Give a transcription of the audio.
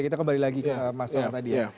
kita kembali lagi ke masalah tadi ya